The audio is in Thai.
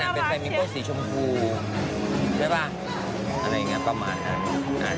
เป็นไฟมิโก้สีชมพูใช่ป่ะอะไรอย่างนี้ประมาณนั้น